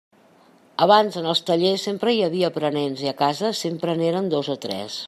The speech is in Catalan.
Abans, en els tallers, sempre hi havia aprenents i a casa sempre n'eren dos o tres.